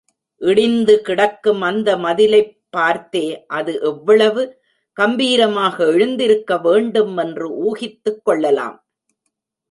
இடிந்து கிடக்கும் அந்த மதிலைப் பார்த்தே அது எவ்வளவு கம்பீரமாக எழுந்திருக்கவேண்டும் என்று ஊகித்துக் கொள்ளலாம்.